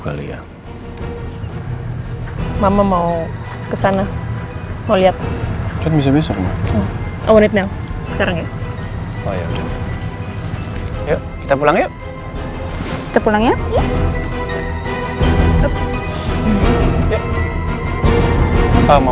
terima kasih ma